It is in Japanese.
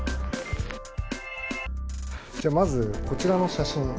じゃあまずこちらの写真。